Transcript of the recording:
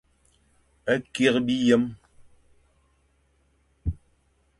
Kikh biyem.